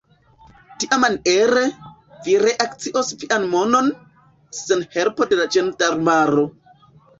Tiamaniere, vi reakiros vian monon, sen helpo de la ĝendarmaro.